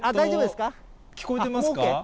聞こえてますか？